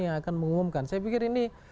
yang akan mengumumkan saya pikir ini